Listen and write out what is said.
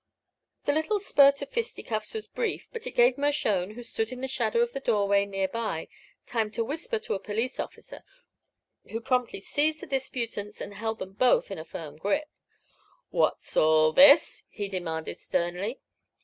The little spurt of fistcuffs was brief, but it gave Mershone, who stood in the shadow of the door way near by, time to whisper to a police officer, who promptly seized the disputants and held them both in a firm grip. "What's all this?" he demanded, sternly.